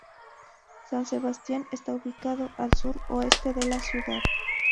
San Sebastián está ubicado al sur-oeste de la ciudad.